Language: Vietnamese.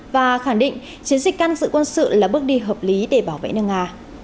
và khẳng định chiến dịch căn dự quân sự là bước đi hợp lý để bảo vệ nước nga